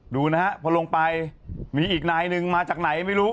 ดูนะฮะพอลงไปมีอีกนายหนึ่งมาจากไหนไม่รู้